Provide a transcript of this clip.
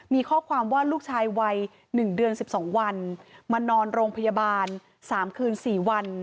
มีข้อความว่าลูกชายวัย๑เดือน๑๒วันมานอนโรงพยาบาล๓คืน๔วัน